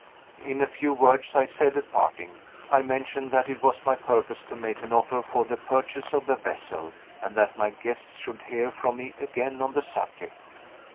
In a few words I said at parting, I mentioned that it was my purpose to make an offer for the purchase of the vessel, and that my guests should hear from me again on the subject.